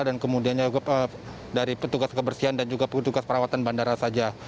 dan kemudian dari petugas kebersihan dan juga petugas perawatan bandara saja